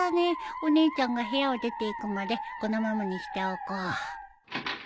お姉ちゃんが部屋を出ていくまでこのままにしておこう